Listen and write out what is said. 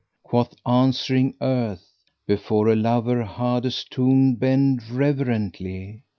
Quoth answering Earth * 'Before a lover Hades tombed[FN#522] bend reverently!'